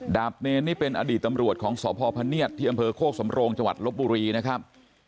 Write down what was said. บเนรนี่เป็นอดีตตำรวจของสพพเนียดที่อำเภอโคกสำโรงจังหวัดลบบุรีนะครับ